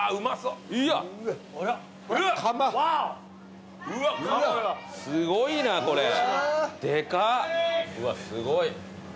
うわすごい。